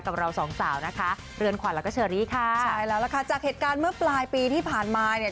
กับเราสองสาวนะคะเรือนขวัญแล้วก็เชอรี่ค่ะใช่แล้วล่ะค่ะจากเหตุการณ์เมื่อปลายปีที่ผ่านมาเนี่ย